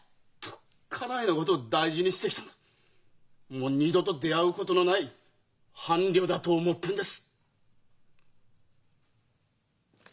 もう二度と出会うことのない伴侶だと思ってんです。